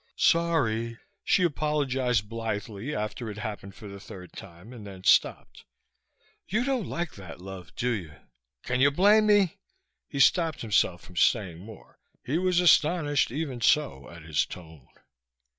"Sorry," she apologized blithely after it happened for the third time, and then stopped. "You don't like that, love, do you?" "Can you blame me?" He stopped himself from saying more; he was astonished even so at his tone.